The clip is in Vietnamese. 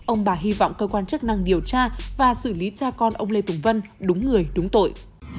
ông bà hy vọng cơ quan chức năng điều tra và xử lý cha con ông lê tùng vân đúng người đúng tội